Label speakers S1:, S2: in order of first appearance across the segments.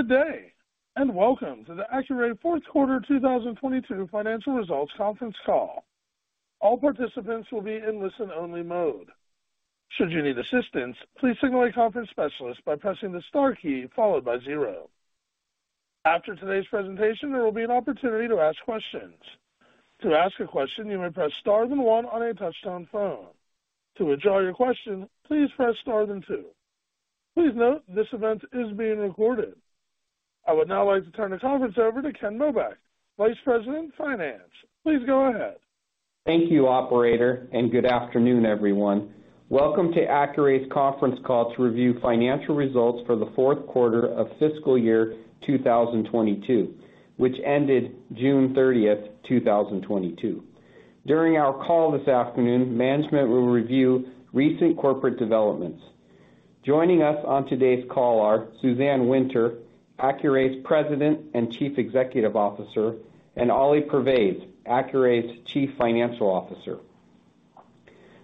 S1: Good day, and welcome to the Accuray fourth quarter 2022 financial results conference call. All participants will be in listen-only mode. Should you need assistance, please signal a conference specialist by pressing the star key followed by zero. After today's presentation, there will be an opportunity to ask questions. To ask a question, you may press star then one on a touch-tone phone. To withdraw your question, please press star then two. Please note this event is being recorded. I would now like to turn the conference over to Ken Mobeck, Vice President, Finance. Please go ahead.
S2: Thank you operator, and good afternoon, everyone. Welcome to Accuray's conference call to review financial results for the fourth quarter of fiscal year 2022, which ended June 30th, 2022. During our call this afternoon, management will review recent corporate developments. Joining us on today's call are Suzanne Winter, Accuray's President and Chief Executive Officer, and Ali Pervaiz, Accuray's Chief Financial Officer.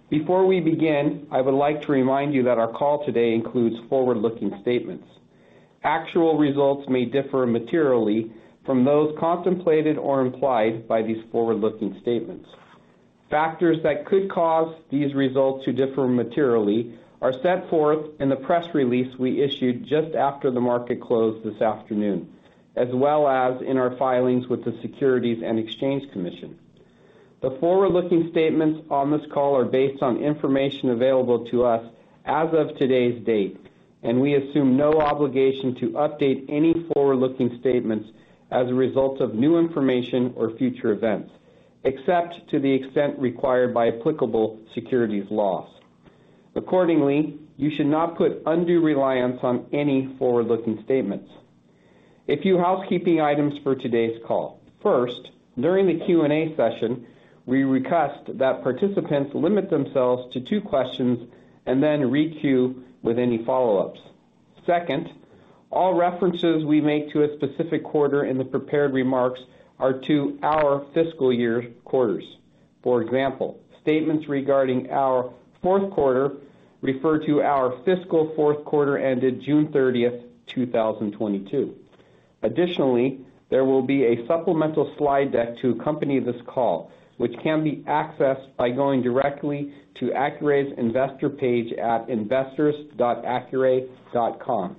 S2: Before we begin, I would like to remind you that our call today includes forward-looking statements. Actual results may differ materially from those contemplated or implied by these forward-looking statements. Factors that could cause these results to differ materially are set forth in the press release we issued just after the market closed this afternoon, as well as in our filings with the Securities and Exchange Commission. The forward-looking statements on this call are based on information available to us as of today's date, and we assume no obligation to update any forward-looking statements as a result of new information or future events, except to the extent required by applicable securities laws. Accordingly, you should not put undue reliance on any forward-looking statements. A few housekeeping items for today's call. First, during the Q&A session, we request that participants limit themselves to two questions and then re-queue with any follow-ups. Second, all references we make to a specific quarter in the prepared remarks are to our fiscal year quarters. For example, statements regarding our fourth quarter refer to our fiscal fourth quarter ended June 30th, 2022. Additionally, there will be a supplemental slide deck to accompany this call, which can be accessed by going directly to Accuray's investor page at investors.accuray.com.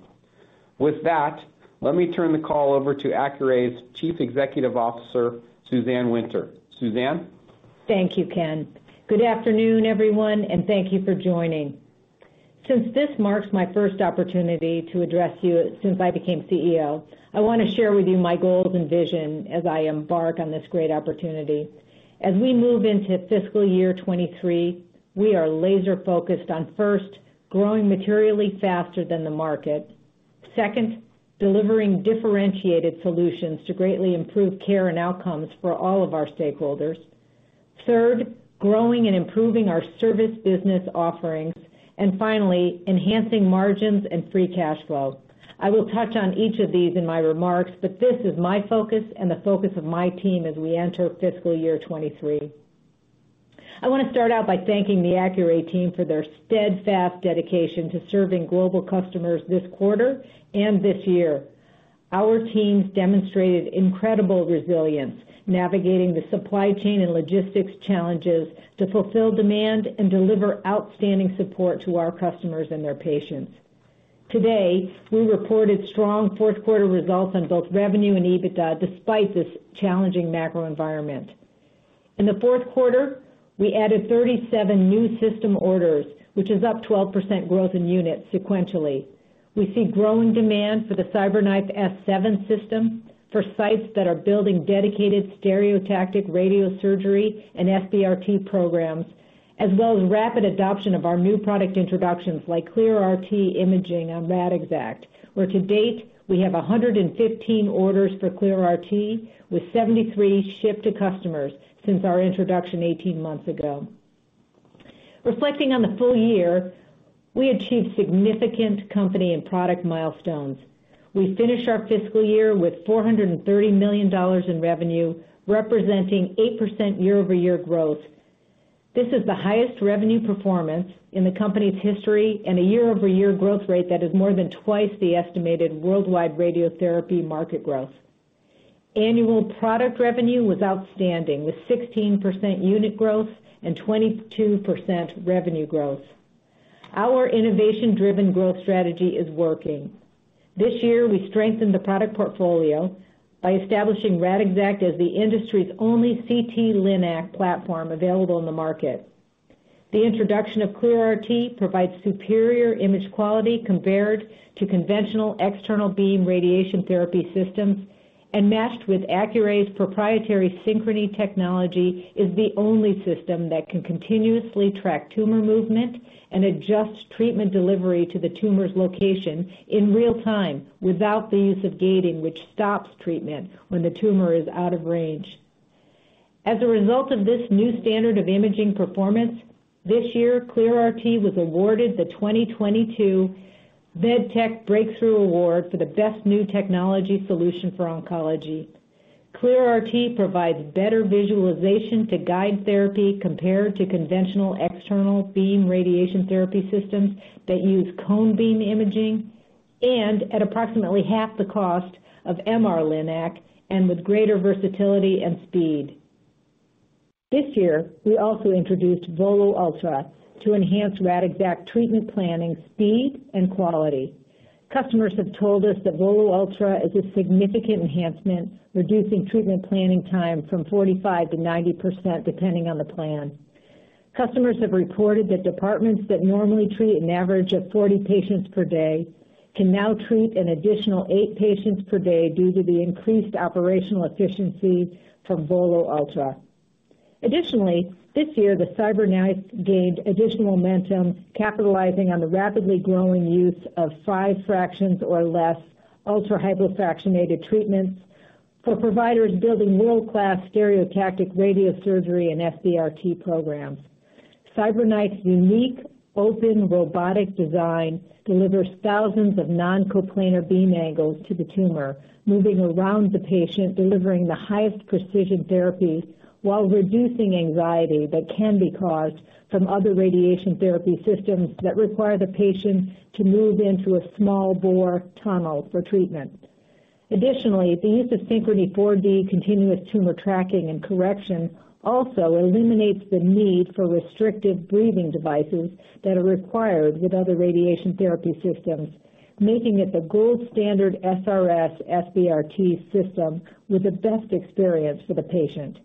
S2: With that, let me turn the call over to Accuray's Chief Executive Officer, Suzanne Winter. Suzanne?
S3: Thank you, Ken. Good afternoon, everyone, and thank you for joining. Since this marks my first opportunity to address you since I became CEO, I want to share with you my goals and vision as I embark on this great opportunity. As we move into fiscal year 2023, we are laser focused on first, growing materially faster than the market. Second, delivering differentiated solutions to greatly improve care and outcomes for all of our stakeholders. Third, growing and improving our service business offerings. And finally, enhancing margins and free cash flow. I will touch on each of these in my remarks, but this is my focus and the focus of my team as we enter fiscal year 2023. I want to start out by thanking the Accuray team for their steadfast dedication to serving global customers this quarter and this year. Our teams demonstrated incredible resilience navigating the supply chain and logistics challenges to fulfill demand and deliver outstanding support to our customers and their patients. Today, we reported strong fourth quarter results on both revenue and EBITDA despite this challenging macro environment. In the fourth quarter, we added 37 new system orders, which is up 12% growth in units sequentially. We see growing demand for the CyberKnife S7 system for sites that are building dedicated stereotactic radiosurgery and SBRT programs, as well as rapid adoption of our new product introductions like ClearRT imaging on Radixact, where to date we have 115 orders for ClearRT with 73 shipped to customers since our introduction 18 months ago. Reflecting on the full year, we achieved significant company and product milestones. We finished our fiscal year with $430 million in revenue, representing 8% year-over-year growth. This is the highest revenue performance in the company's history and a year-over-year growth rate that is more than twice the estimated worldwide radiotherapy market growth. Annual product revenue was outstanding, with 16% unit growth and 22% revenue growth. Our innovation-driven growth strategy is working. This year, we strengthened the product portfolio by establishing Radixact as the industry's only CT linac platform available in the market. The introduction of ClearRT provides superior image quality compared to conventional external beam radiation therapy systems, and matched with Accuray's proprietary Synchrony technology is the only system that can continuously track tumor movement and adjust treatment delivery to the tumor's location in real time without the use of gating, which stops treatment when the tumor is out of range. As a result of this new standard of imaging performance, this year, ClearRT was awarded the 2022 MedTech Breakthrough Award for the best new technology solution for oncology. ClearRT provides better visualization to guide therapy compared to conventional external beam radiation therapy systems that use cone beam imaging and at approximately half the cost of MR Linac and with greater versatility and speed. This year, we also introduced VOLO Ultra to enhance Radixact treatment planning speed and quality. Customers have told us that VOLO Ultra is a significant enhancement, reducing treatment planning time from 45%-90% depending on the plan. Customers have reported that departments that normally treat an average of 40 patients per day can now treat an additional eight patients per day due to the increased operational efficiency from VOLO Ultra. Additionally, this year, the CyberKnife gained additional momentum, capitalizing on the rapidly growing use of five fractions or less ultra-hypofractionated treatments for providers building world-class stereotactic radiosurgery and SBRT programs. CyberKnife's unique open robotic design delivers thousands of non-coplanar beam angles to the tumor, moving around the patient, delivering the highest precision therapies while reducing anxiety that can be caused from other radiation therapy systems that require the patient to move into a small bore tunnel for treatment. Additionally, the use of Synchrony 4D continuous tumor tracking and correction also eliminates the need for restrictive breathing devices that are required with other radiation therapy systems, making it the gold standard SRS, SBRT system with the best experience for the patient.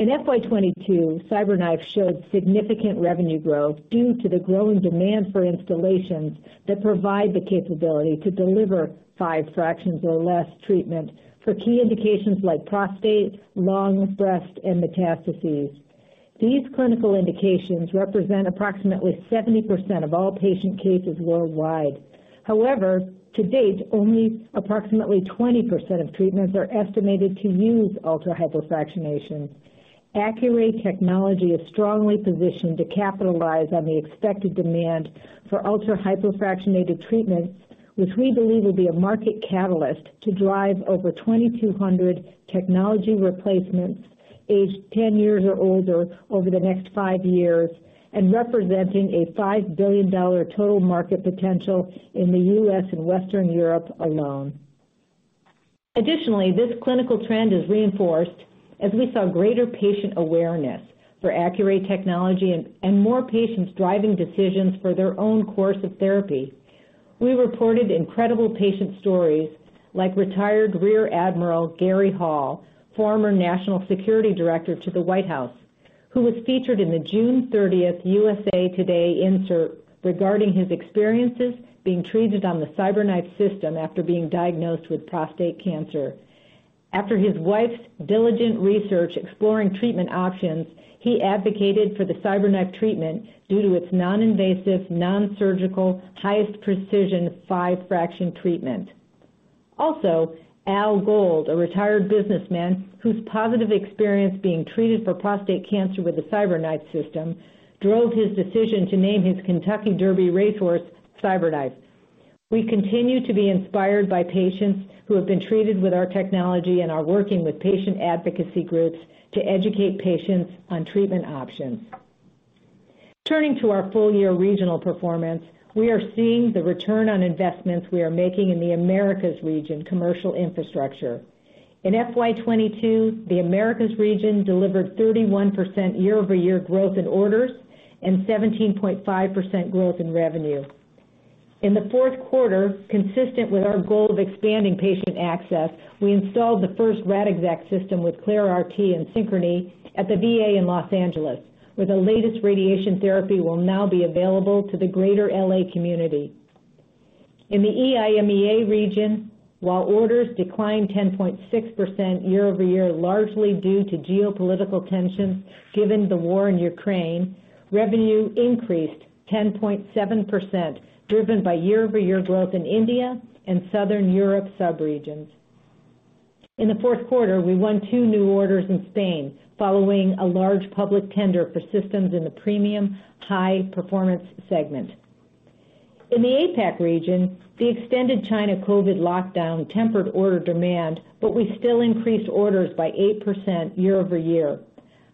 S3: In FY 2022, CyberKnife showed significant revenue growth due to the growing demand for installations that provide the capability to deliver five fractions or less treatment for key indications like prostate, lung, breast, and metastases. These clinical indications represent approximately 70% of all patient cases worldwide. However, to date, only approximately 20% of treatments are estimated to use ultra-hypofractionation. Accuray technology is strongly positioned to capitalize on the expected demand for ultra-hypofractionated treatments, which we believe will be a market catalyst to drive over 2,200 technology replacements aged 10 years or older over the next five years, and representing a $5 billion total market potential in the U.S. and Western Europe alone. Additionally, this clinical trend is reinforced as we saw greater patient awareness for Accuray technology and more patients driving decisions for their own course of therapy. We reported incredible patient stories like retired Rear Admiral Garry E. Hall, former national security director to the White House, who was featured in the June 30th USA Today insert regarding his experiences being treated on the CyberKnife system after being diagnosed with prostate cancer. After his wife's diligent research exploring treatment options, he advocated for the CyberKnife treatment due to its non-invasive, non-surgical, highest precision five-fraction treatment. Also, Al Gold, a retired businessman whose positive experience being treated for prostate cancer with the CyberKnife system, drove his decision to name his Kentucky Derby racehorse CyberKnife. We continue to be inspired by patients who have been treated with our technology and are working with patient advocacy groups to educate patients on treatment options. Turning to our full-year regional performance, we are seeing the return on investments we are making in the Americas region commercial infrastructure. In FY 2022, the Americas region delivered 31% year-over-year growth in orders and 17.5% growth in revenue. In the fourth quarter, consistent with our goal of expanding patient access, we installed the first Radixact system with ClearRT and Synchrony at the VA in Los Angeles, where the latest radiation therapy will now be available to the greater L.A. community. In the EMEA region, while orders declined 10.6% year-over-year, largely due to geopolitical tensions given the war in Ukraine, revenue increased 10.7%, driven by year-over-year growth in India and Southern Europe subregions. In the fourth quarter, we won two new orders in Spain, following a large public tender for systems in the premium high-performance segment. In the APAC region, the extended China COVID lockdown tempered order demand, but we still increased orders by 8% year-over-year.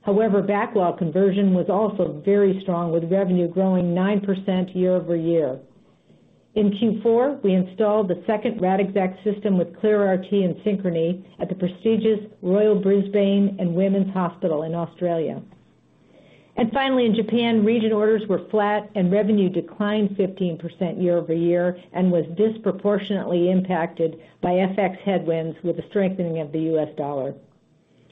S3: However, backlog conversion was also very strong, with revenue growing 9% year-over-year. In Q4, we installed the second Radixact system with ClearRT and Synchrony at the prestigious Royal Brisbane and Women's Hospital in Australia. Finally in Japan, region orders were flat and revenue declined 15% year-over-year and was disproportionately impacted by FX headwinds with the strengthening of the US dollar.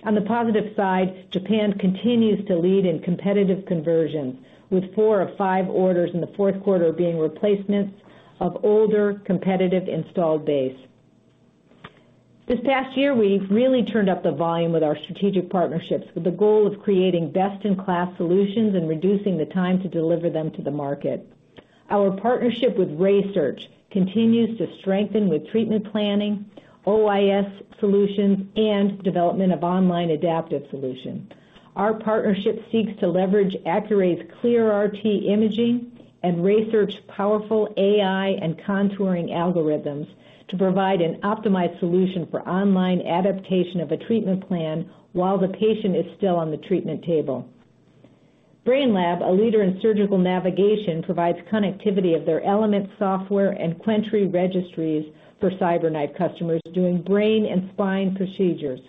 S3: On the positive side, Japan continues to lead in competitive conversions, with four of five orders in the fourth quarter being replacements of older competitive installed base. This past year, we've really turned up the volume with our strategic partnerships with the goal of creating best-in-class solutions and reducing the time to deliver them to the market. Our partnership with RaySearch continues to strengthen with treatment planning, OIS solutions, and development of online adaptive solutions. Our partnership seeks to leverage Accuray's ClearRT imaging and RaySearch powerful AI and contouring algorithms to provide an optimized solution for online adaptation of a treatment plan while the patient is still on the treatment table. Brainlab, a leader in surgical navigation, provides connectivity of their Elements software and Quentry registries for CyberKnife customers doing brain and spine procedures.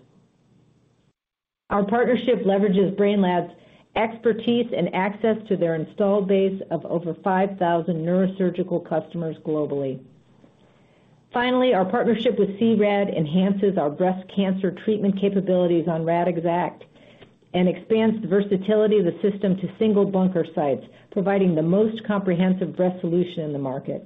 S3: Our partnership leverages Brainlab's expertise and access to their installed base of over 5,000 neurosurgical customers globally. Finally, our partnership with C-RAD enhances our breast cancer treatment capabilities on Radixact and expands the versatility of the system to single bunker sites, providing the most comprehensive breast solution in the market.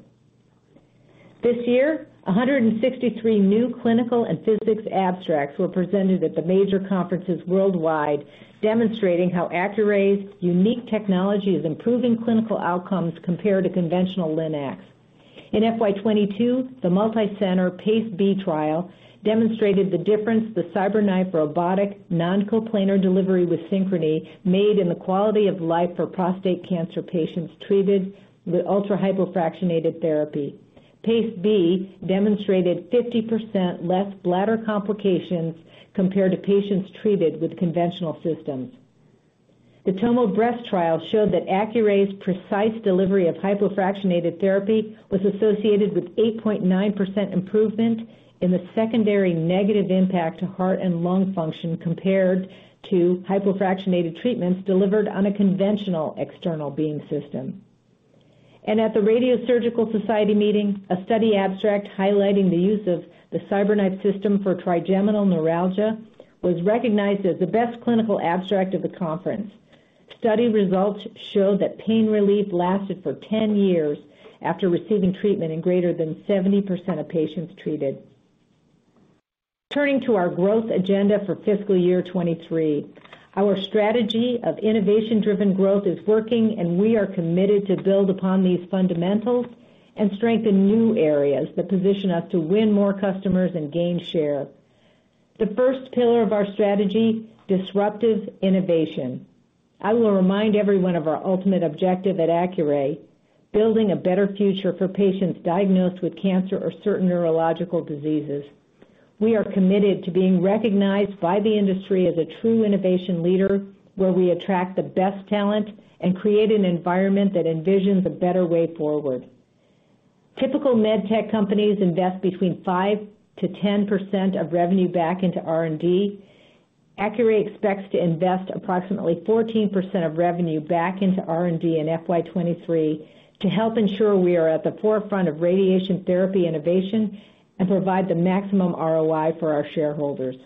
S3: This year, 163 new clinical and physics abstracts were presented at the major conferences worldwide, demonstrating how Accuray's unique technology is improving clinical outcomes compared to conventional linacs. In FY 2022, the multi-center PACE B trial demonstrated the difference the CyberKnife robotic noncoplanar delivery with Synchrony made in the quality of life for prostate cancer patients treated with ultra-hypofractionated therapy. PACE B demonstrated 50% less bladder complications compared to patients treated with conventional systems. The TomoBreast trial showed that Accuray's precise delivery of hypofractionated therapy was associated with 8.9% improvement in the secondary negative impact to heart and lung function compared to hypofractionated treatments delivered on a conventional external beam system. At the Radiosurgery Society meeting, a study abstract highlighting the use of the CyberKnife system for trigeminal neuralgia was recognized as the best clinical abstract of the conference. Study results showed that pain relief lasted for 10 years after receiving treatment in greater than 70% of patients treated. Turning to our growth agenda for fiscal year 2023. Our strategy of innovation-driven growth is working, and we are committed to build upon these fundamentals and strengthen new areas that position us to win more customers and gain share. The first pillar of our strategy, disruptive innovation. I will remind everyone of our ultimate objective at Accuray, building a better future for patients diagnosed with cancer or certain neurological diseases. We are committed to being recognized by the industry as a true innovation leader, where we attract the best talent and create an environment that envisions a better way forward. Typical med tech companies invest between 5%-10% of revenue back into R&D. Accuray expects to invest approximately 14% of revenue back into R&D in FY 2023 to help ensure we are at the forefront of radiation therapy innovation and provide the maximum ROI for our shareholders.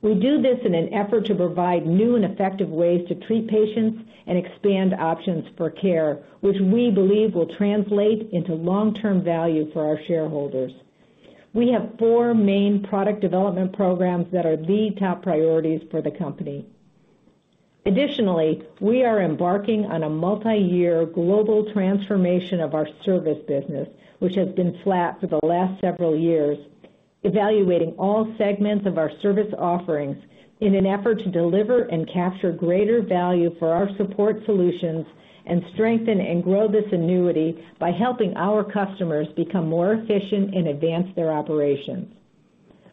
S3: We do this in an effort to provide new and effective ways to treat patients and expand options for care, which we believe will translate into long-term value for our shareholders. We have four main product development programs that are the top priorities for the company. Additionally, we are embarking on a multi-year global transformation of our service business, which has been flat for the last several years, evaluating all segments of our service offerings in an effort to deliver and capture greater value for our support solutions and strengthen and grow this annuity by helping our customers become more efficient and advance their operations.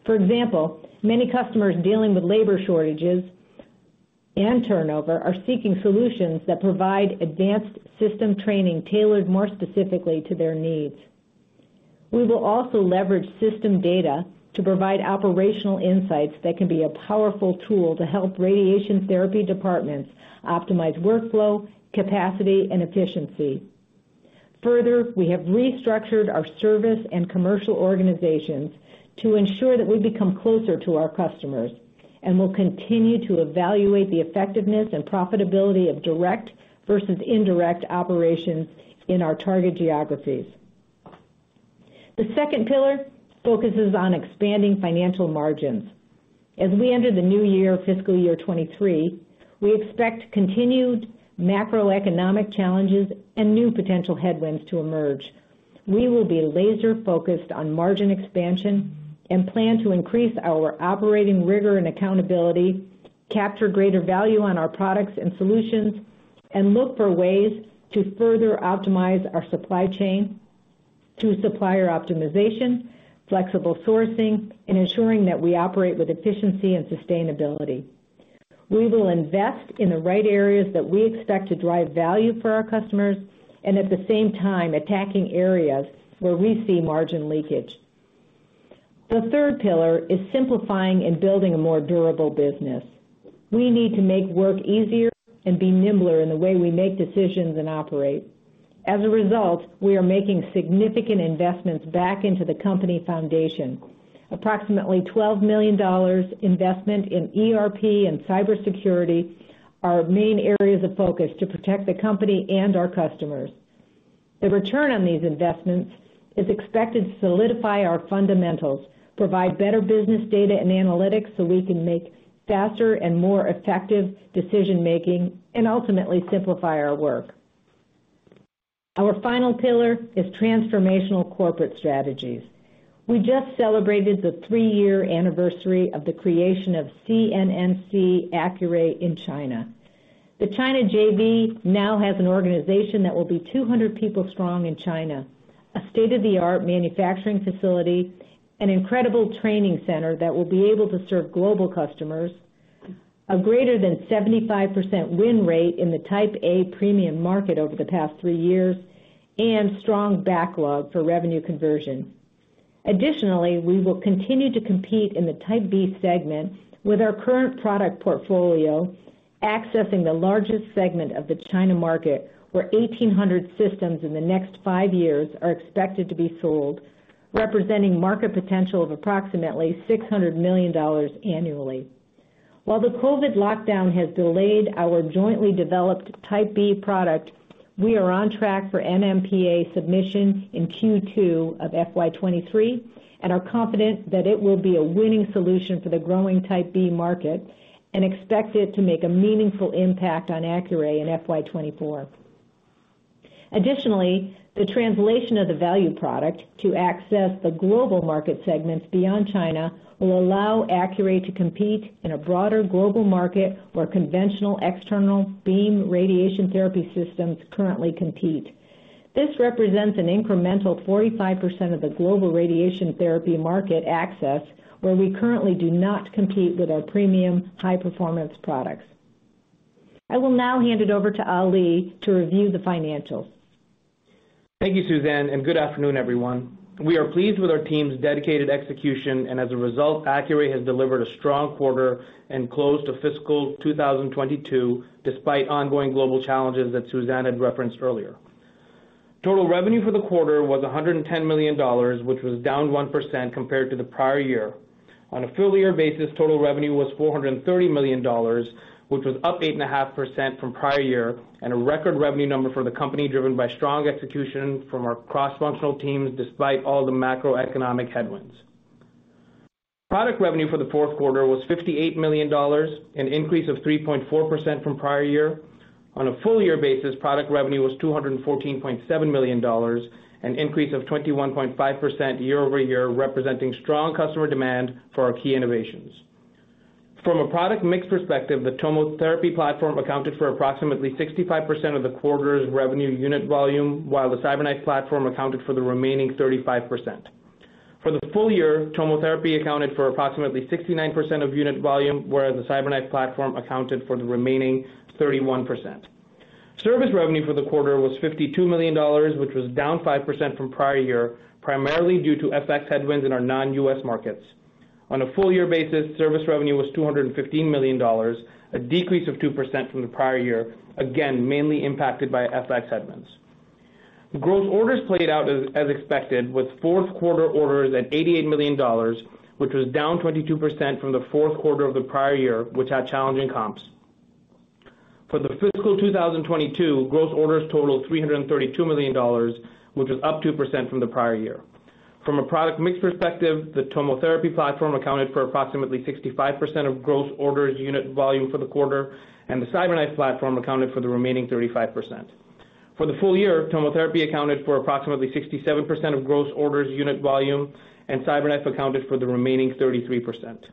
S3: For example, many customers dealing with labor shortages and turnover are seeking solutions that provide advanced system training tailored more specifically to their needs. We will also leverage system data to provide operational insights that can be a powerful tool to help radiation therapy departments optimize workflow, capacity, and efficiency. Further, we have restructured our service and commercial organizations to ensure that we become closer to our customers, and we'll continue to evaluate the effectiveness and profitability of direct versus indirect operations in our target geographies. The second pillar focuses on expanding financial margins. As we enter the new year, fiscal year 2023, we expect continued macroeconomic challenges and new potential headwinds to emerge. We will be laser-focused on margin expansion and plan to increase our operating rigor and accountability, capture greater value on our products and solutions, and look for ways to further optimize our supply chain through supplier optimization, flexible sourcing, and ensuring that we operate with efficiency and sustainability. We will invest in the right areas that we expect to drive value for our customers and at the same time attacking areas where we see margin leakage. The third pillar is simplifying and building a more durable business. We need to make work easier and be nimbler in the way we make decisions and operate. As a result, we are making significant investments back into the company foundation. Approximately $12 million investment in ERP and cybersecurity are our main areas of focus to protect the company and our customers. The return on these investments is expected to solidify our fundamentals, provide better business data and analytics so we can make faster and more effective decision-making, and ultimately simplify our work. Our final pillar is transformational corporate strategies. We just celebrated the three-year anniversary of the creation of CNNC Accuray in China. The China JV now has an organization that will be 200 people strong in China, a state-of-the-art manufacturing facility, an incredible training center that will be able to serve global customers, a greater than 75% win rate in the Type A premium market over the past three years, and strong backlog for revenue conversion. Additionally, we will continue to compete in the Type B segment with our current product portfolio, accessing the largest segment of the China market, where 1,800 systems in the next five years are expected to be sold, representing market potential of approximately $600 million annually. While the COVID lockdown has delayed our jointly developed Type B product, we are on track for NMPA submission in Q2 of FY 2023 and are confident that it will be a winning solution for the growing Type B market and expect it to make a meaningful impact on Accuray in FY 2024. Additionally, the translation of the value product to access the global market segments beyond China will allow Accuray to compete in a broader global market where conventional external beam radiation therapy systems currently compete. This represents an incremental 45% of the global radiation therapy market access, where we currently do not compete with our premium high-performance products. I will now hand it over to Ali to review the financials.
S4: Thank you, Suzanne, and good afternoon, everyone. We are pleased with our team's dedicated execution, and as a result, Accuray has delivered a strong quarter and closed out fiscal 2022, despite ongoing global challenges that Suzanne had referenced earlier. Total revenue for the quarter was $110 million, which was down 1% compared to the prior year. On a full year basis, total revenue was $430 million, which was up 8.5% from prior year, and a record revenue number for the company driven by strong execution from our cross-functional teams, despite all the macroeconomic headwinds. Product revenue for the fourth quarter was $58 million, an increase of 3.4% from prior year. On a full year basis, product revenue was $214.7 million, an increase of 21.5% year-over-year, representing strong customer demand for our key innovations. From a product mix perspective, the TomoTherapy platform accounted for approximately 65% of the quarter's revenue unit volume, while the CyberKnife platform accounted for the remaining 35%. For the full year, TomoTherapy accounted for approximately 69% of unit volume, whereas the CyberKnife platform accounted for the remaining 31%. Service revenue for the quarter was $52 million, which was down 5% from prior year, primarily due to FX headwinds in our non-US markets. On a full year basis, service revenue was $215 million, a decrease of 2% from the prior year, again, mainly impacted by FX headwinds. Gross orders played out as expected with fourth quarter orders at $88 million, which was down 22% from the fourth quarter of the prior year, which had challenging comps. For the fiscal 2022, gross orders totaled $332 million, which was up 2% from the prior year. From a product mix perspective, the TomoTherapy platform accounted for approximately 65% of gross orders unit volume for the quarter, and the CyberKnife platform accounted for the remaining 35%. For the full year, TomoTherapy accounted for approximately 67% of gross orders unit volume, and CyberKnife accounted for the remaining 33%.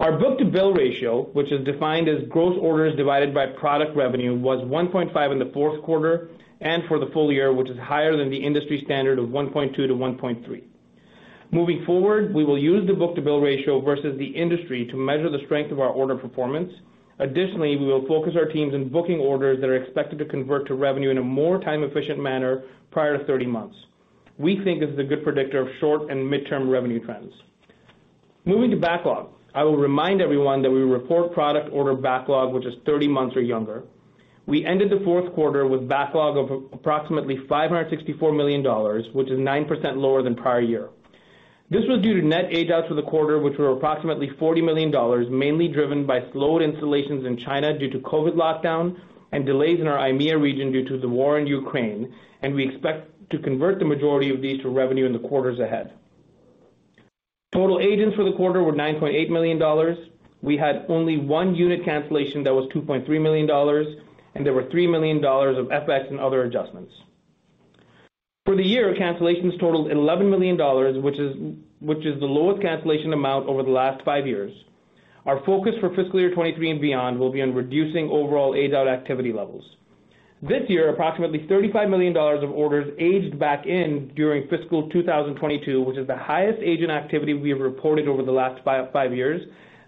S4: Our book-to-bill ratio, which is defined as gross orders divided by product revenue, was 1.5 in the fourth quarter and for the full year, which is higher than the industry standard of 1.2-1.3. Moving forward, we will use the book-to-bill ratio versus the industry to measure the strength of our order performance. Additionally, we will focus our teams in booking orders that are expected to convert to revenue in a more time-efficient manner prior to 30 months. We think this is a good predictor of short and mid-term revenue trends. Moving to backlog, I will remind everyone that we report product order backlog, which is 30 months or younger. We ended the fourth quarter with backlog of approximately $564 million, which is 9% lower than prior year. This was due to net age-outs for the quarter, which were approximately $40 million, mainly driven by slowed installations in China due to COVID lockdown and delays in our EMEA region due to the war in Ukraine, and we expect to convert the majority of these to revenue in the quarters ahead. Total orders for the quarter were $9.8 million. We had only one unit cancellation that was $2.3 million, and there were $3 million of FX and other adjustments. For the year, cancellations totaled $11 million, which is the lowest cancellation amount over the last five years. Our focus for fiscal year 2023 and beyond will be on reducing overall age-out activity levels. This year, approximately $35 million of orders aged out during fiscal 2022, which is the highest age-out activity we have reported over the last five years,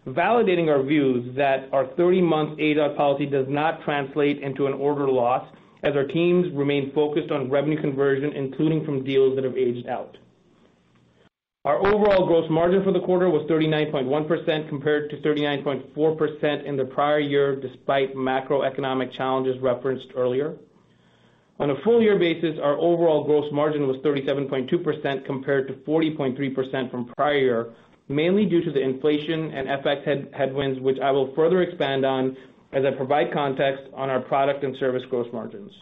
S4: validating our views that our 30-month age-out policy does not translate into an order loss as our teams remain focused on revenue conversion, including from deals that have aged out. Our overall gross margin for the quarter was 39.1% compared to 39.4% in the prior year, despite macroeconomic challenges referenced earlier. On a full year basis, our overall gross margin was 37.2% compared to 40.3% from prior year, mainly due to the inflation and FX headwinds, which I will further expand on as I provide context on our product and service gross margins.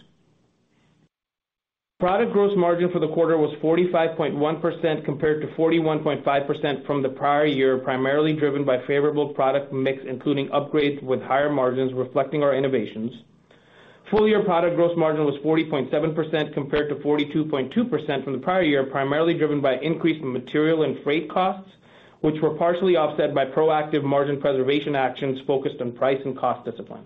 S4: Product gross margin for the quarter was 45.1% compared to 41.5% from the prior year, primarily driven by favorable product mix, including upgrades with higher margins reflecting our innovations. Full year product gross margin was 40.7% compared to 42.2% from the prior year, primarily driven by increase in material and freight costs, which were partially offset by proactive margin preservation actions focused on price and cost discipline.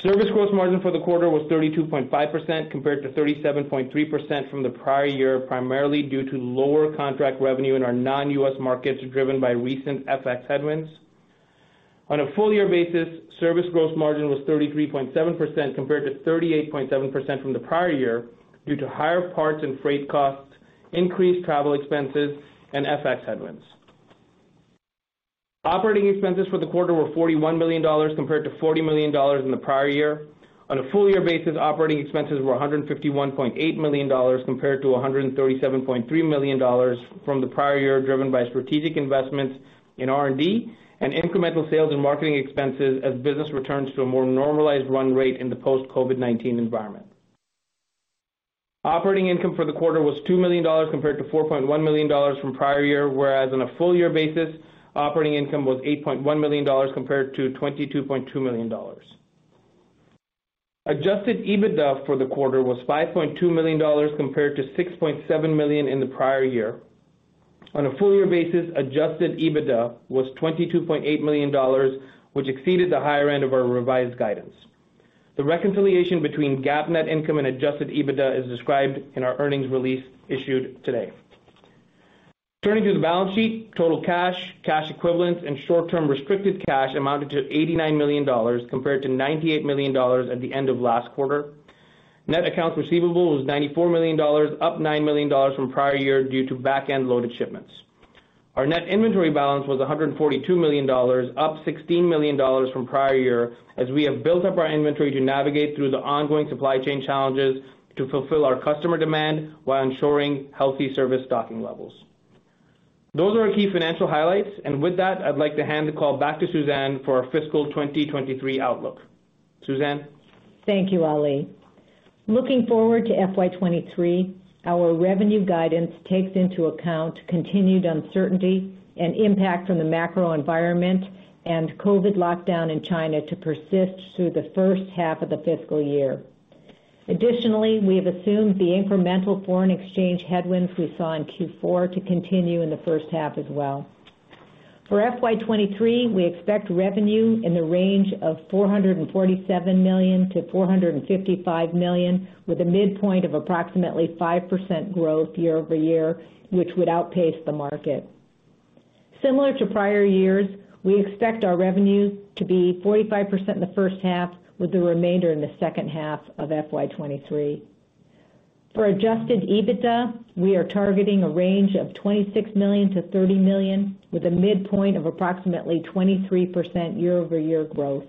S4: Service gross margin for the quarter was 32.5% compared to 37.3% from the prior year, primarily due to lower contract revenue in our non-US markets, driven by recent FX headwinds. On a full year basis, service gross margin was 33.7% compared to 38.7% from the prior year due to higher parts and freight costs, increased travel expenses, and FX headwinds. Operating expenses for the quarter were $41 million compared to $40 million in the prior year. On a full year basis, operating expenses were $151.8 million compared to $137.3 million from the prior year, driven by strategic investments in R&D and incremental sales and marketing expenses as business returns to a more normalized run rate in the post-COVID-19 environment. Operating income for the quarter was $2 million compared to $4.1 million from prior year, whereas on a full year basis, operating income was $8.1 million compared to $22.2 million. Adjusted EBITDA for the quarter was $5.2 million compared to $6.7 million in the prior year. On a full year basis, adjusted EBITDA was $22.8 million, which exceeded the higher end of our revised guidance. The reconciliation between GAAP net income and adjusted EBITDA is described in our earnings release issued today. Turning to the balance sheet. Total cash equivalents, and short-term restricted cash amounted to $89 million compared to $98 million at the end of last quarter. Net accounts receivable was $94 million, up $9 million from prior year due to back-end loaded shipments. Our net inventory balance was $142 million, up $16 million from prior year as we have built up our inventory to navigate through the ongoing supply chain challenges to fulfill our customer demand while ensuring healthy service stocking levels. Those are our key financial highlights. With that, I'd like to hand the call back to Suzanne for our fiscal 2023 outlook. Suzanne?
S3: Thank you, Ali. Looking forward to FY 2023, our revenue guidance takes into account continued uncertainty and impact from the macro environment and COVID lockdown in China to persist through the first half of the fiscal year. Additionally, we have assumed the incremental foreign exchange headwinds we saw in Q4 to continue in the first half as well. For FY 2023, we expect revenue in the range of $447 million-$455 million, with a midpoint of approximately 5% growth year-over-year, which would outpace the market. Similar to prior years, we expect our revenue to be 45% in the first half, with the remainder in the second half of FY 2023. For adjusted EBITDA, we are targeting a range of $26 million-$30 million, with a midpoint of approximately 23% year-over-year growth.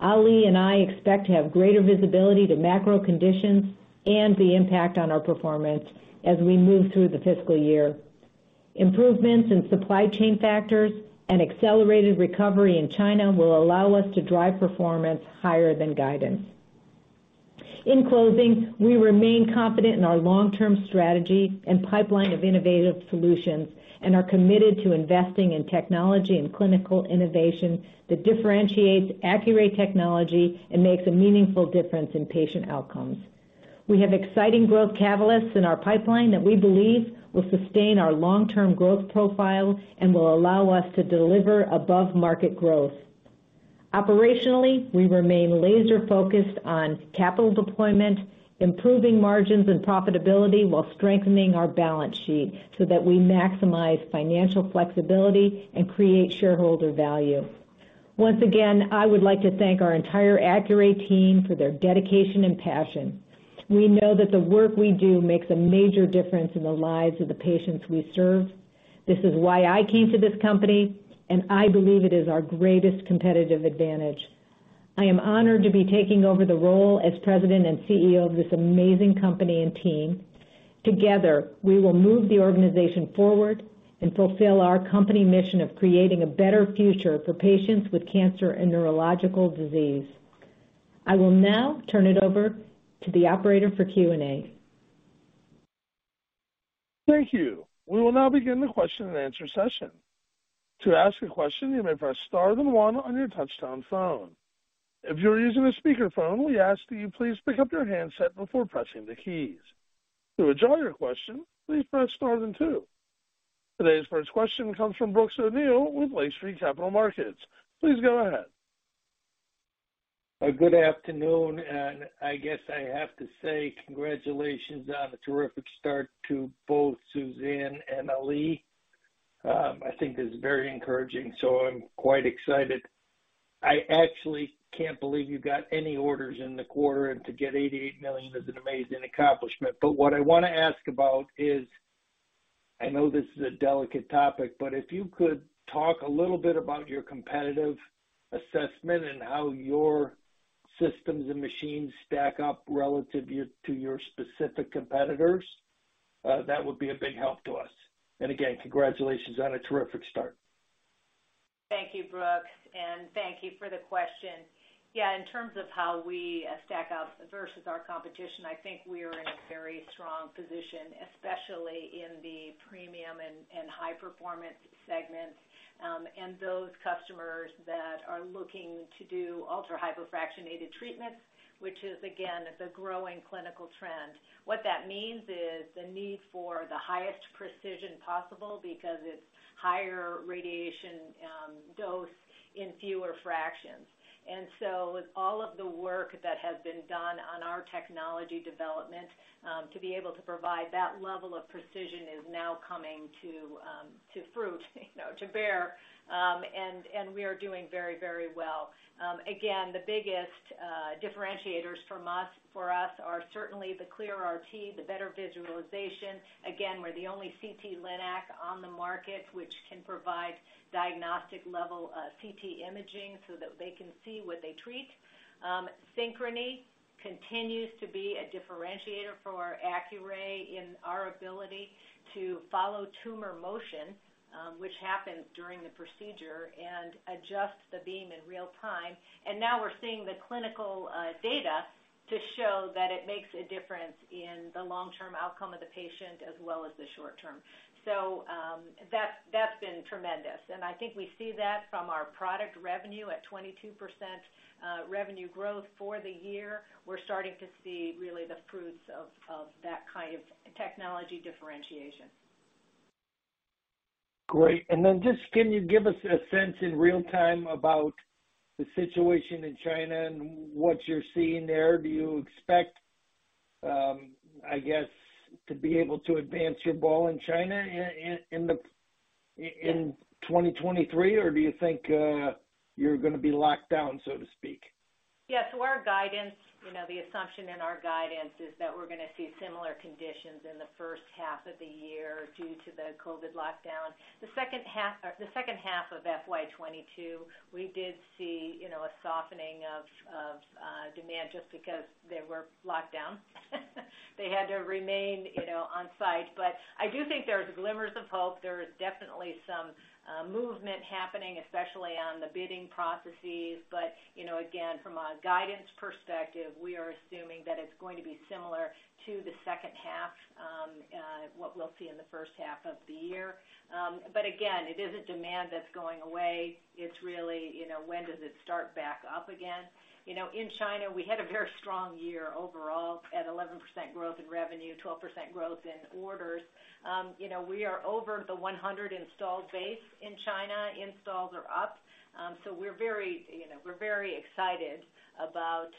S3: Ali and I expect to have greater visibility to macro conditions and the impact on our performance as we move through the fiscal year. Improvements in supply chain factors and accelerated recovery in China will allow us to drive performance higher than guidance. In closing, we remain confident in our long-term strategy and pipeline of innovative solutions and are committed to investing in technology and clinical innovation that differentiates Accuray technology and makes a meaningful difference in patient outcomes. We have exciting growth catalysts in our pipeline that we believe will sustain our long-term growth profile and will allow us to deliver above-market growth. Operationally, we remain laser-focused on capital deployment, improving margins and profitability while strengthening our balance sheet so that we maximize financial flexibility and create shareholder value. Once again, I would like to thank our entire Accuray team for their dedication and passion. We know that the work we do makes a major difference in the lives of the patients we serve. This is why I came to this company, and I believe it is our greatest competitive advantage. I am honored to be taking over the role as president and CEO of this amazing company and team. Together, we will move the organization forward and fulfill our company mission of creating a better future for patients with cancer and neurological disease. I will now turn it over to the operator for Q&A.
S1: Thank you. We will now begin the question and answer session. To ask a question, you may press star then one on your touchtone phone. If you are using a speakerphone, we ask that you please pick up your handset before pressing the keys. To withdraw your question, please press star then two. Today's first question comes from Brooks O'Neil with Lake Street Capital Markets. Please go ahead.
S5: Good afternoon, and I guess I have to say congratulations on a terrific start to both Suzanne Winter and Ali Pervaiz. I think this is very encouraging, so I'm quite excited. I actually can't believe you got any orders in the quarter and to get $88 million is an amazing accomplishment. What I wanna ask about is, I know this is a delicate topic, but if you could talk a little bit about your competitive assessment and how your systems and machines stack up relative to your specific competitors, that would be a big help to us. Again, congratulations on a terrific start.
S3: Thank you, Brooks, and thank you for the question. Yeah, in terms of how we stack up versus our competition, I think we are in a very strong position, especially in the premium and high performance segments, and those customers that are looking to do ultra-hypofractionated treatments, which is, again, the growing clinical trend. What that means is the need for the highest precision possible because it's higher radiation dose in fewer fractions. All of the work that has been done on our technology development to be able to provide that level of precision is now coming to fruit, you know, to bear. We are doing very, very well. Again, the biggest differentiators for us are certainly the ClearRT, the better visualization. Again, we're the only CT linac on the market, which can provide diagnostic level, CT imaging so that they can see what they treat. Synchrony continues to be a differentiator for our Accuray in our ability to follow tumor motion, which happens during the procedure and adjust the beam in real time. We're seeing the clinical data to show that it makes a difference in the long-term outcome of the patient as well as the short-term. That's been tremendous. I think we see that from our product revenue at 22% revenue growth for the year. We're starting to see really the fruits of that kind of technology differentiation.
S5: Great. Just can you give us a sense in real time about the situation in China and what you're seeing there? Do you expect, I guess, to be able to advance your ball in China in the?
S3: Yes.
S5: In 2023 or do you think you're gonna be locked down, so to speak?
S3: Yeah. Our guidance, you know, the assumption in our guidance is that we're gonna see similar conditions in the first half of the year due to the COVID lockdown. The second half of FY 2022, we did see, you know, a softening of demand just because they were locked down. They had to remain, you know, on site. I do think there's glimmers of hope. There is definitely some movement happening, especially on the bidding processes. You know, again, from a guidance perspective, we are assuming that it's going to be similar to the second half what we'll see in the first half of the year. Again, it isn't demand that's going away. It's really, you know, when does it start back up again. You know, in China, we had a very strong year overall at 11% growth in revenue, 12% growth in orders. You know, we are over the 100 installed base in China. Installs are up. We're very, you know, we're very excited about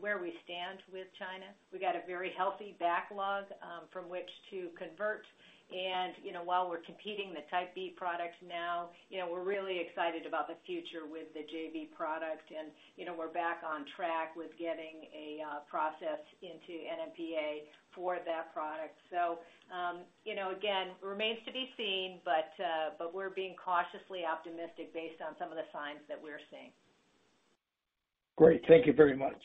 S3: where we stand with China. We got a very healthy backlog from which to convert. You know, while we're competing the Type B products now, you know, we're really excited about the future with the JV product. You know, we're back on track with getting a process into NMPA for that product. You know, again, remains to be seen, but we're being cautiously optimistic based on some of the signs that we're seeing.
S5: Great. Thank you very much.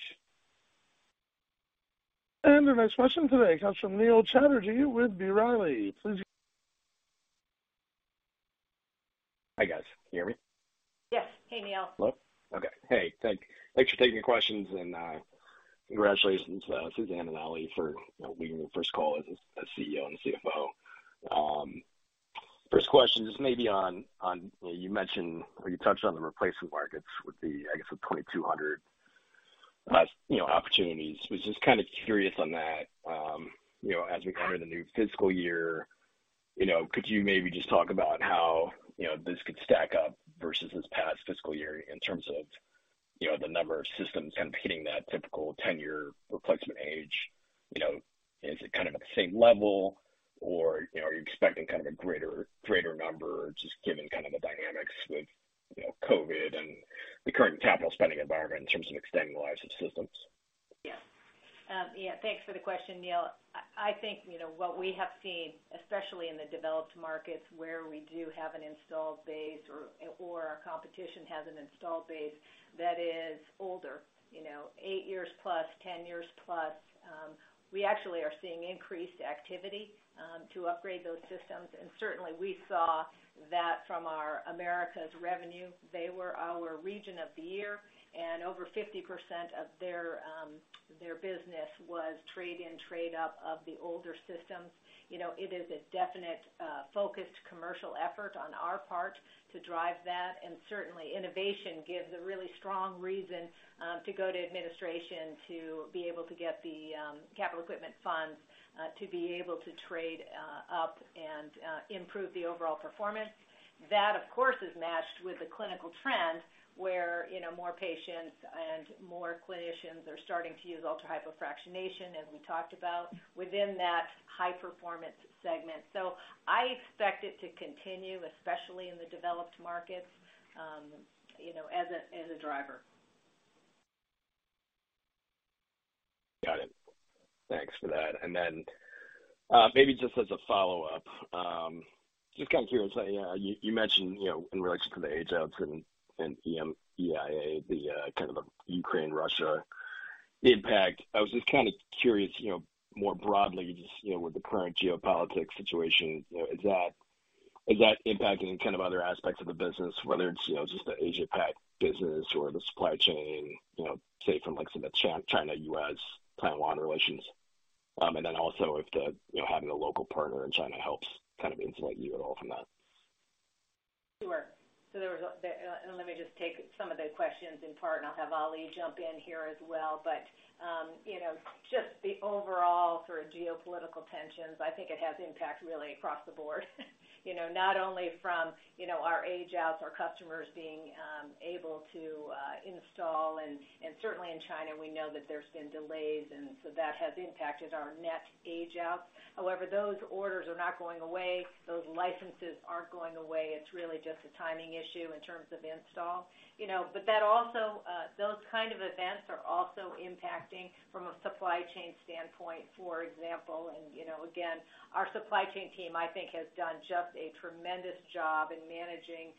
S1: Our next question today comes from Neil Chatterji with B. Riley Financial. Please go ahead.
S6: Hi, guys. Can you hear me?
S3: Yes. Hey, Neil.
S6: Hello? Okay. Hey, thanks for taking the questions and, congratulations, Suzanne and Ali for leading the first call as a CEO and a CFO. First question is maybe on, you know, you mentioned or you touched on the replacement markets with the, I guess, the 2,200, you know, opportunities. Was just kind of curious on that. You know, as we enter the new fiscal year, you know, could you maybe just talk about how, you know, this could stack up versus this past fiscal year in terms of, you know, the number of systems kind of hitting that typical ten-year replacement age? You know, is it kind of at the same level or, you know, are you expecting kind of a greater number just given kind of the dynamics with, you know, COVID and the current capital spending environment in terms of extending the lives of systems?
S3: Yes. Yeah, thanks for the question, Neil. I think, you know, what we have seen, especially in the developed markets, where we do have an installed base or our competition has an installed base that is older, you know, eight years plus, 10 years+, we actually are seeing increased activity to upgrade those systems. Certainly, we saw that from our Americas revenue. They were our region of the year, and over 50% of their business was trade-in, trade-up of the older systems. You know, it is a definite focused commercial effort on our part to drive that. Certainly, innovation gives a really strong reason to go to administration to be able to get the capital equipment funds to be able to trade up and improve the overall performance. That, of course, is matched with the clinical trend where, you know, more patients and more clinicians are starting to use ultra-hypofractionation, as we talked about, within that high-performance segment. I expect it to continue, especially in the developed markets, you know, as a driver.
S6: Got it. Thanks for that. Then, maybe just as a follow-up, just kind of curious, you mentioned, you know, in relation to the age-outs and EMEA, the kind of the Ukraine-Russia impact. I was just kind of curious, you know, more broadly, just, you know, with the current geopolitical situation, you know, is that impacting kind of other aspects of the business, whether it's, you know, just the Asia Pac business or the supply chain, you know, say from like some China-U.S. Taiwan relations? And then also if, you know, having a local partner in China helps kind of insulate you at all from that.
S3: Sure. Let me just take some of the questions in part, and I'll have Ali Pervaiz jump in here as well. You know, just the overall sort of geopolitical tensions, I think it has impact really across the board. You know, not only from, you know, our age-outs, our customers being able to install, and certainly in China, we know that there's been delays and so that has impacted our net age-out. However, those orders are not going away. Those licenses aren't going away. It's really just a timing issue in terms of install. You know, but that also, those kind of events are also impacting from a supply chain standpoint, for example. You know, again, our supply chain team, I think has done just a tremendous job in managing,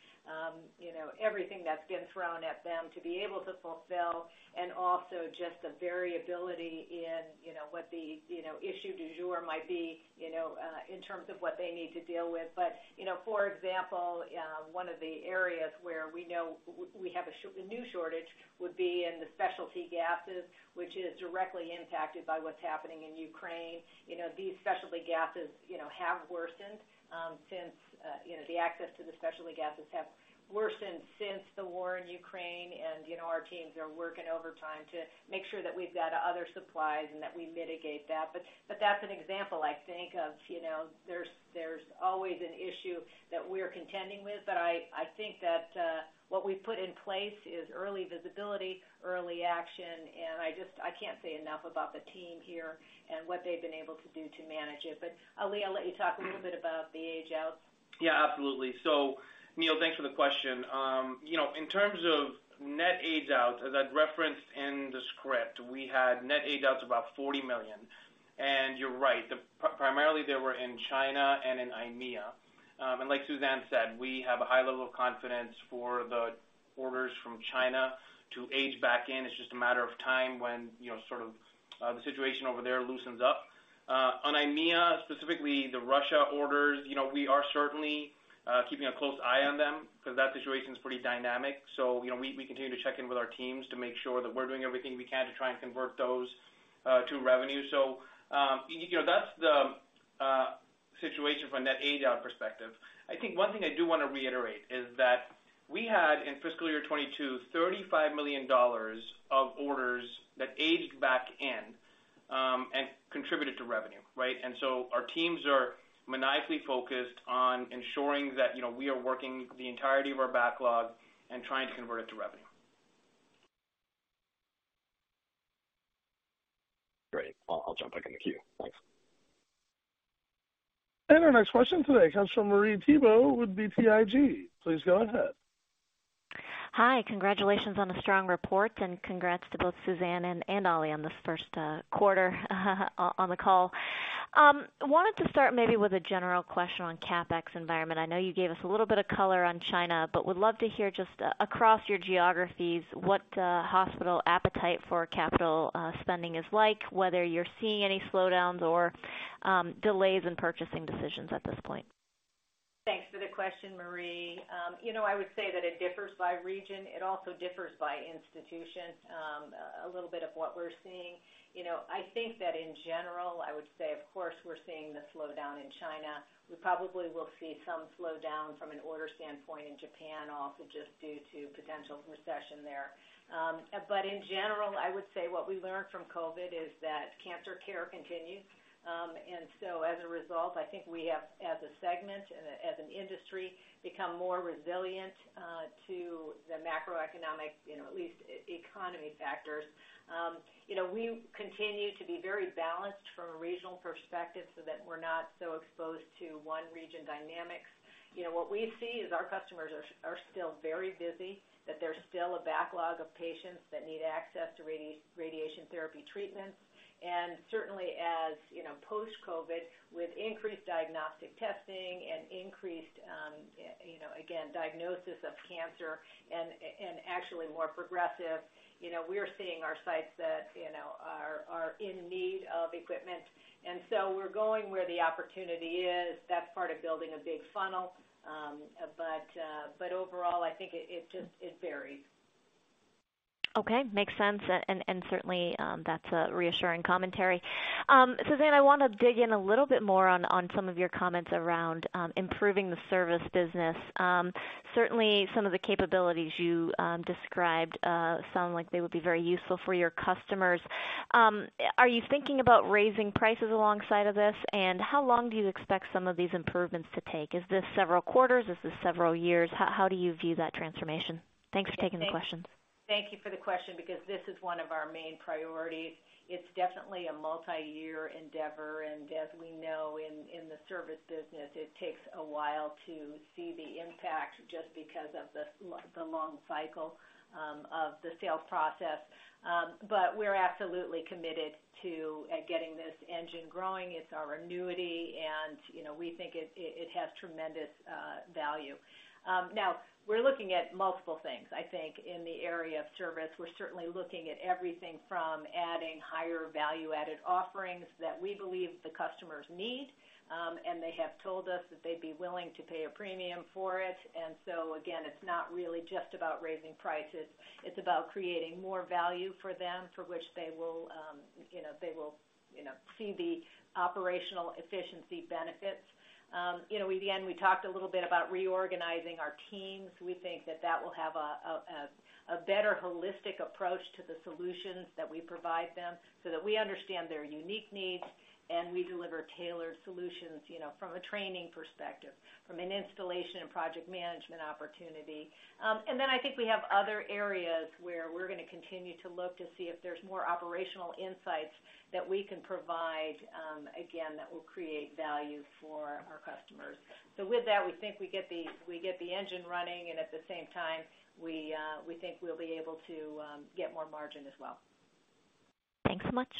S3: you know, everything that's been thrown at them to be able to fulfill and also just the variability in, you know, what the, you know, issue du jour might be, you know, in terms of what they need to deal with. You know, for example, one of the areas where we know we have a new shortage would be in the specialty gases, which is directly impacted by what's happening in Ukraine. You know, these specialty gases, you know, have worsened since the access to the specialty gases have worsened since the war in Ukraine. You know, our teams are working overtime to make sure that we've got other supplies and that we mitigate that. That's an example I think of, you know, there's always an issue that we're contending with. I think that what we've put in place is early visibility, early action. I just can't say enough about the team here and what they've been able to do to manage it. Ali, I'll let you talk a little bit about the age-outs.
S4: Yeah, absolutely. Neil, thanks for the question. In terms of net age-outs, as I'd referenced in the script, we had net age-outs about $40 million. You're right, primarily they were in China and in EMEA. Like Suzanne said, we have a high level of confidence for the orders from China to age back in. It's just a matter of time when the situation over there loosens up. On EMEA, specifically the Russia orders, we are certainly keeping a close eye on them because that situation is pretty dynamic. We continue to check in with our teams to make sure that we're doing everything we can to try and convert those to revenue. That's the situation from a net age-out perspective. I think one thing I do wanna reiterate is that we had, in fiscal year 2022, $35 million of orders that aged back in and contributed to revenue, right? Our teams are maniacally focused on ensuring that, you know, we are working the entirety of our backlog and trying to convert it to revenue.
S6: Great. I'll jump back in the queue. Thanks.
S1: Our next question today comes from Marie Thibault with BTIG. Please go ahead.
S7: Hi. Congratulations on the strong report and congrats to both Suzanne and Ali on this first quarter on the call. Wanted to start maybe with a general question on CapEx environment. I know you gave us a little bit of color on China, but would love to hear just across your geographies, what hospital appetite for capital spending is like, whether you're seeing any slowdowns or delays in purchasing decisions at this point.
S3: Thanks for the question, Marie. You know, I would say that it differs by region. It also differs by institution. A little bit of what we're seeing. You know, I think that in general, I would say of course we're seeing the slowdown in China. We probably will see some slowdown from an order standpoint in Japan also, just due to potential recession there. In general, I would say what we learned from COVID is that cancer care continues. As a result, I think we have, as a segment, as an industry, become more resilient to the macroeconomic, you know, at least economy factors. You know, we continue to be very balanced from a regional perspective so that we're not so exposed to one region dynamics. You know, what we see is our customers are still very busy, that there's still a backlog of patients that need access to radiation therapy treatments. Certainly as, you know, post-COVID, with increased diagnostic testing and increased, you know, again, diagnosis of cancer and actually more progressive, you know, we're seeing our sites that, you know, are in need of equipment, and so we're going where the opportunity is. That's part of building a big funnel. But overall, I think it just varies.
S7: Okay, makes sense. Certainly, that's a reassuring commentary. Suzanne, I wanna dig in a little bit more on some of your comments around improving the service business. Certainly some of the capabilities you described sound like they would be very useful for your customers. Are you thinking about raising prices alongside of this? How long do you expect some of these improvements to take? Is this several quarters? Is this several years? How do you view that transformation? Thanks for taking the questions.
S3: Thank you for the question because this is one of our main priorities. It's definitely a multi-year endeavor. As we know in the service business, it takes a while to see the impact just because of the long cycle of the sales process. But we're absolutely committed to getting this engine growing. It's our annuity, and you know, we think it has tremendous value. Now we're looking at multiple things, I think, in the area of service. We're certainly looking at everything from adding higher value-added offerings that we believe the customers need, and they have told us that they'd be willing to pay a premium for it. So again, it's not really just about raising prices. It's about creating more value for them, for which they will, you know, see the operational efficiency benefits. You know, again, we talked a little bit about reorganizing our teams. We think that will have a better holistic approach to the solutions that we provide them, so that we understand their unique needs and we deliver tailored solutions, you know, from a training perspective, from an installation and project management opportunity. Then I think we have other areas where we're gonna continue to look to see if there's more operational insights that we can provide, again, that will create value for our customers. With that, we think we get the engine running, and at the same time, we think we'll be able to get more margin as well.
S7: Thanks so much.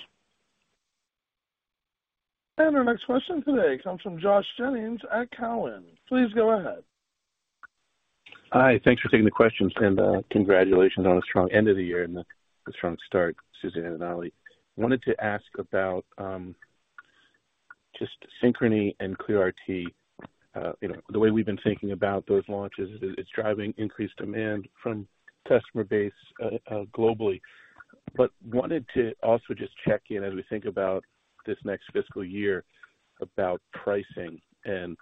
S1: Our next question today comes from Josh Jennings at Cowen. Please go ahead.
S8: Hi. Thanks for taking the questions, and congratulations on a strong end of the year and a strong start, Suzanne and Ali. Wanted to ask about just Synchrony and ClearRT. You know, the way we've been thinking about those launches is driving increased demand from customer base globally. Wanted to also just check in as we think about this next fiscal year about pricing and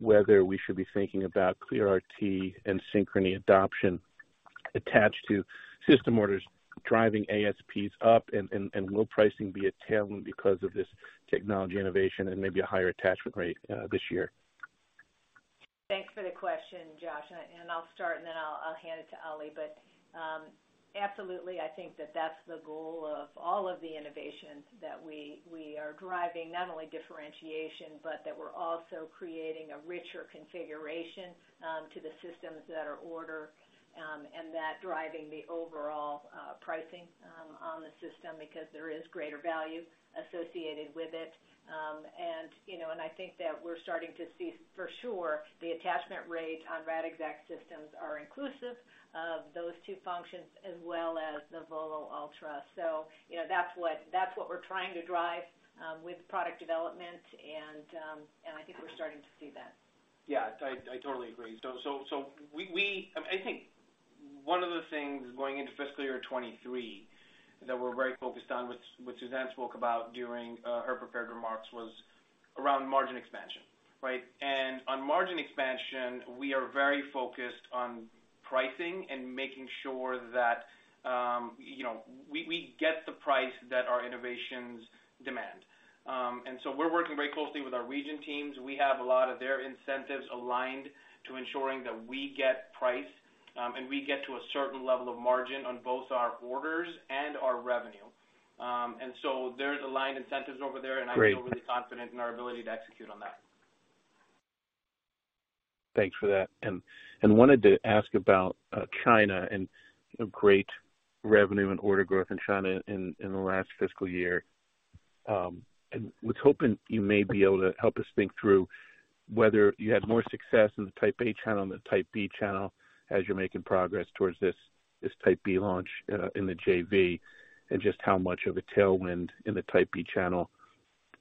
S8: whether we should be thinking about ClearRT and Synchrony adoption attached to system orders driving ASPs up and will pricing be a tailwind because of this technology innovation and maybe a higher attachment rate this year?
S3: Thanks for the question, Josh. I'll start, and then I'll hand it to Ali. Absolutely, I think that's the goal of all of the innovations that we are driving, not only differentiation, but that we're also creating a richer configuration to the systems that are ordered, and that's driving the overall pricing on the system because there is greater value associated with it. You know, I think that we're starting to see for sure the attachment rates on Radixact systems are inclusive of those two functions as well as the VOLO Ultra. That's what we're trying to drive with product development. I think we're starting to see that.
S4: Yeah. I totally agree. I think one of the things going into fiscal year 2023 that we're very focused on, which Suzanne spoke about during her prepared remarks, was around margin expansion, right? On margin expansion, we are very focused on pricing and making sure that you know we get the price that our innovations demand. We're working very closely with our region teams. We have a lot of their incentives aligned to ensuring that we get price and we get to a certain level of margin on both our orders and our revenue. There's aligned incentives over there.
S8: Great.
S4: I feel really confident in our ability to execute on that.
S8: Thanks for that. Wanted to ask about China and great revenue and order growth in China in the last fiscal year. Was hoping you may be able to help us think through whether you had more success in the Type A channel than Type B channel as you're making progress towards this Type B launch in the JV and just how much of a tailwind in the Type B channel,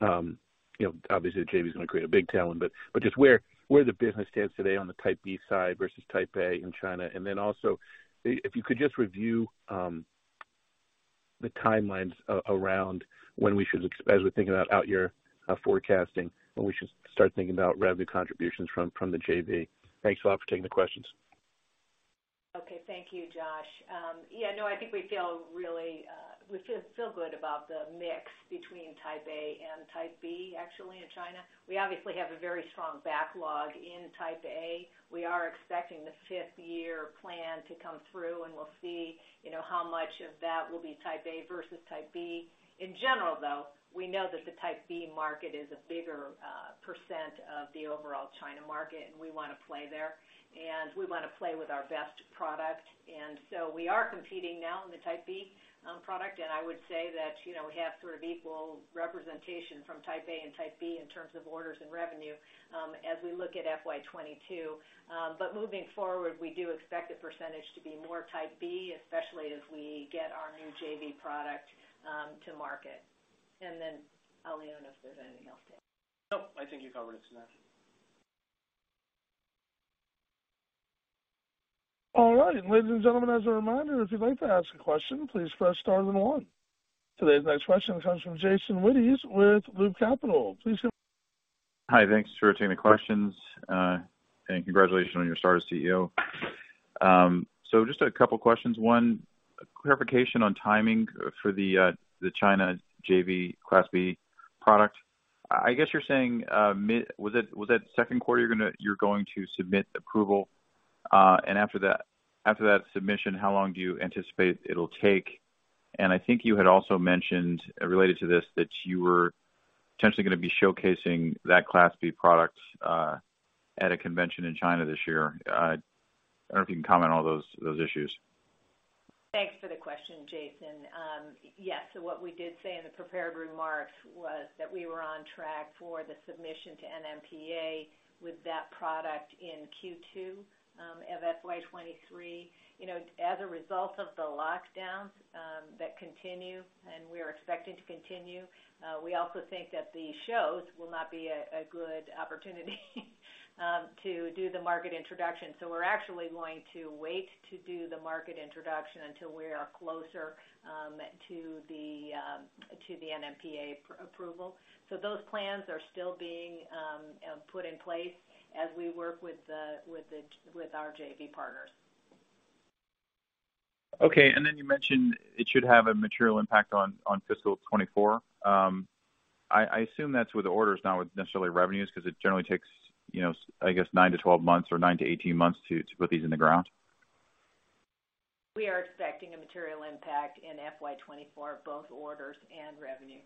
S8: you know, obviously the JV's gonna create a big tailwind, but just where the business stands today on the Type B side versus Type A in China. Then also if you could just review the timelines around when we should, as we're thinking about outyear forecasting, when we should start thinking about revenue contributions from the JV. Thanks a lot for taking the questions.
S3: Okay. Thank you, Josh. Yeah, no, I think we feel really good about the mix between Type A and Type B actually in China. We obviously have a very strong backlog in Type A. We are expecting the fifth year plan to come through, and we'll see, you know, how much of that will be Type A versus Type B. In general, though, we know that the Type B market is a bigger percent of the overall China market, and we wanna play there, and we wanna play with our best product. We are competing now in the Type B product. I would say that, you know, we have sort of equal representation from Type A and Type B in terms of orders and revenue as we look at FY22. Moving forward, we do expect the percentage to be more Type B, especially as we get our new JV product to market. Ali, I don't know if there's anything else to add.
S4: No, I think you covered it, Suzanne.
S1: All right. Ladies and gentlemen, as a reminder, if you'd like to ask a question, please press star then one. Today's next question comes from Jason Wittes with Loop Capital. Please go ahead.
S9: Hi. Thanks for taking the questions. Congratulations on your start as CEO. Just a couple questions. One, clarification on timing for the China JV Type B product. I guess you're saying, mid- was it second quarter you're going to submit approval? After that submission, how long do you anticipate it'll take? I think you had also mentioned, related to this, that you were potentially gonna be showcasing that Type B product at a convention in China this year. I don't know if you can comment on those issues.
S3: Thanks for the question, Jason. Yes. What we did say in the prepared remarks was that we were on track for the submission to NMPA with that product in Q2 of FY 2023. You know, as a result of the lockdowns that continue and we're expecting to continue, we also think that the shows will not be a good opportunity to do the market introduction. We're actually going to wait to do the market introduction until we are closer to the NMPA approval. Those plans are still being put in place as we work with our JV partners.
S9: Okay. You mentioned it should have a material impact on fiscal 2024. I assume that's where the order is not with necessarily revenues, 'cause it generally takes, you know, I guess nine to 12 months or nine to 18 months to put these in the ground.
S3: We are expecting a material impact in FY 2024, both orders and revenue.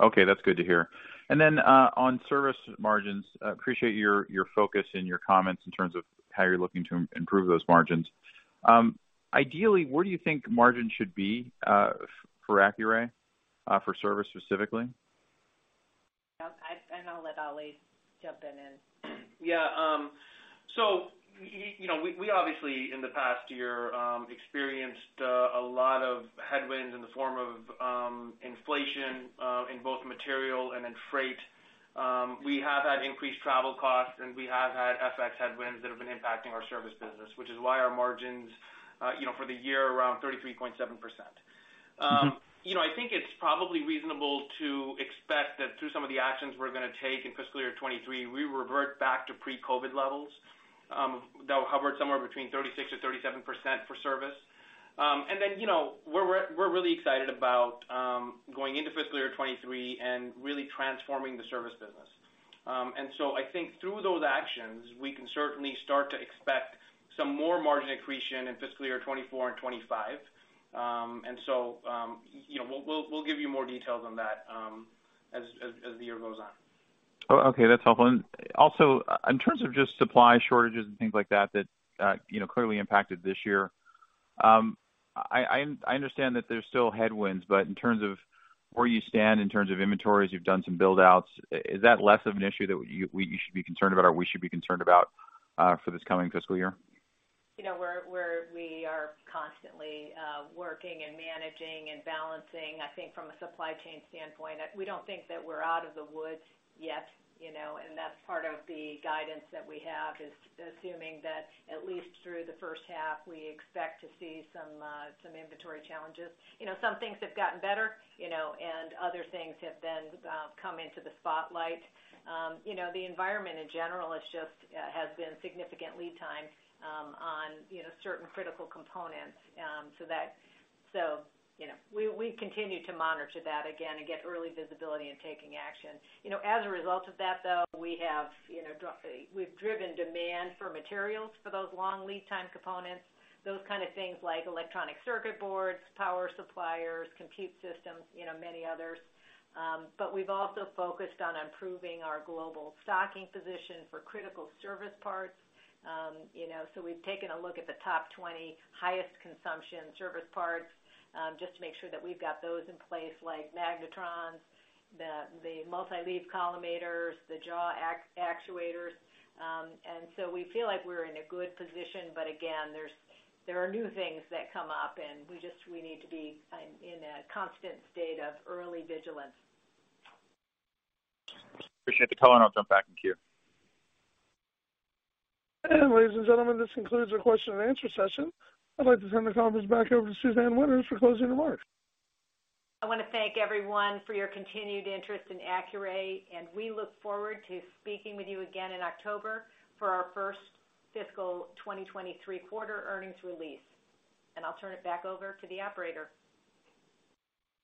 S9: Okay, that's good to hear. On service margins, appreciate your focus and your comments in terms of how you're looking to improve those margins. Ideally, where do you think margins should be for Accuray for service specifically?
S3: I'll let Ali jump in.
S4: Yeah. You know, we obviously in the past year experienced a lot of headwinds in the form of inflation in both material and in freight. We have had increased travel costs, and we have had FX headwinds that have been impacting our service business, which is why our margins, you know, for the year, are around 33.7%. You know, I think it's probably reasonable to expect that through some of the actions we're gonna take in fiscal year 2023, we revert back to pre-COVID levels that hovered somewhere between 36%-37% for service. You know, we're really excited about going into fiscal year 2023 and really transforming the service business. I think through those actions, we can certainly start to expect some more margin accretion in fiscal year 2024 and 2025. You know, we'll give you more details on that, as the year goes on.
S9: Oh, okay. That's helpful. Also in terms of just supply shortages and things like that you know clearly impacted this year, I understand that there's still headwinds, but in terms of where you stand in terms of inventories, you've done some build outs. Is that less of an issue that you should be concerned about or we should be concerned about, for this coming fiscal year?
S3: You know, we are constantly working and managing and balancing. I think from a supply chain standpoint, we don't think that we're out of the woods yet, you know, and that's part of the guidance that we have, is assuming that at least through the first half, we expect to see some inventory challenges. You know, some things have gotten better, you know, and other things have come into the spotlight. You know, the environment in general is just has been significant lead time on, you know, certain critical components, so that. So, you know, we continue to monitor that again and get early visibility in taking action. You know, as a result of that, though, we have, you know, we've driven demand for materials for those long lead time components, those kind of things like electronic circuit boards, power suppliers, compute systems, you know, many others. We've also focused on improving our global stocking position for critical service parts. You know, we've taken a look at the top 20 highest consumption service parts, just to make sure that we've got those in place like magnetrons, the multi-leaf collimators, the jaw actuators. We feel like we're in a good position but again, there are new things that come up, and we just need to be in a constant state of early vigilance.
S9: Appreciate the color, and I'll jump back in queue.
S1: Ladies and gentlemen, this concludes our question and answer session. I'd like to turn the conference back over to Suzanne Winter for closing remarks.
S3: I wanna thank everyone for your continued interest in Accuray, and we look forward to speaking with you again in October for our first fiscal 2023 quarter earnings release. I'll turn it back over to the operator.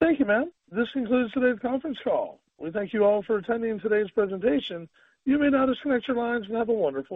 S1: Thank you, ma'am. This concludes today's conference call. We thank you all for attending today's presentation. You may now disconnect your lines and have a wonderful day.